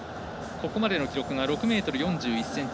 ここまでの記録が６ｍ４１ｃｍ。